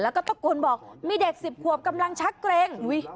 แล้วก็ตะโกนบอกมีเด็ก๑๐ขวบกำลังชักเกร็ง